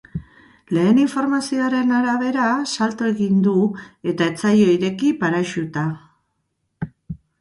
Lehen informazioen arabera, salto egin du eta ez zaio ireki paraxuta.